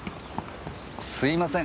すいません。